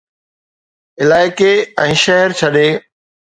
علائقي ۽ شهر ڇڏي